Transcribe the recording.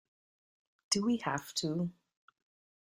Do we have to?